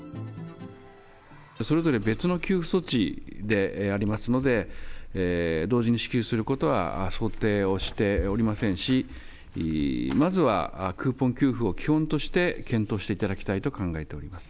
それぞれ別の給付措置でありますので、同時に支給することは想定をしておりませんし、まずはクーポン給付を基本として検討していただきたいと考えております。